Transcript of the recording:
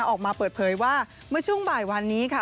ออกมาเปิดเผยว่าเมื่อช่วงบ่ายวันนี้ค่ะ